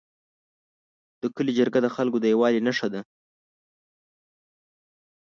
د کلي جرګه د خلکو د یووالي نښه ده.